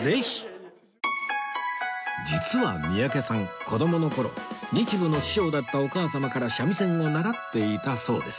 実は三宅さん子供の頃日舞の師匠だったお母様から三味線を習っていたそうです